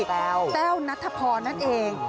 แต้วนัทพรนั่นเอง